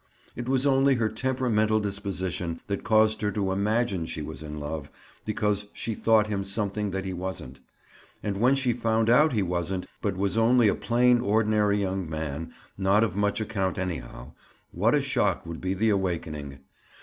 It was only her temperamental disposition that caused her to imagine she was in love, because she thought him something that he wasn't. And when she found out he wasn't, but was only a plain, ordinary young man, not of much account anyhow, what a shock would be the awakening!